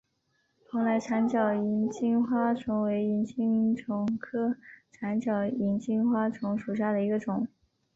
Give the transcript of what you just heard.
蓬莱长脚萤金花虫为金花虫科长脚萤金花虫属下的一个种。